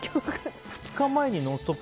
２日前に「ノンストップ！」